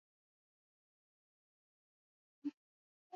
It can be seen on "Beside You In Time".